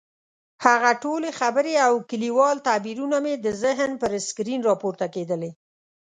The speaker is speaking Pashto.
هغه ټولې خبرې او کلیوال تعبیرونه مې د ذهن پر سکرین راپورته کېدلې.